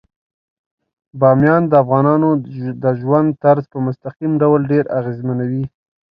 بامیان د افغانانو د ژوند طرز په مستقیم ډول ډیر اغېزمنوي.